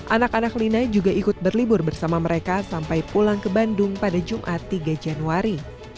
anak anak lina juga ikut berlibur bersama mereka sampai pulang ke bandung pada jumat tiga januari